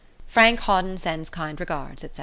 Frank Hawden sends kind regards, &c.